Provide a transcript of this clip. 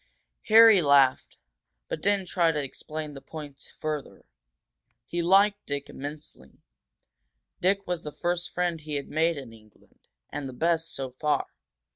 Harry laughed, but didn't try to explain the point further. He liked Dick immensely; Dick was the first friend he had made in England, and the best, so far.